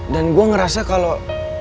dan gue ngerasa kalau